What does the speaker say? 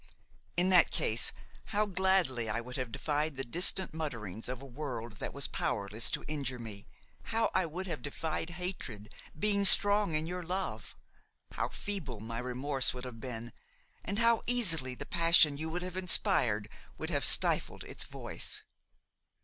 "In that case how gladly I would have defied the distant mutterings of a world that was powerless to injure me! how I would have defied hatred, being strong in your love! how feeble my remorse would have been, and how easily the passion you would have inspired would have stifled its voice!